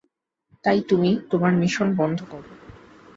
তাই তুমি, তোমার মিশন বন্ধ কর।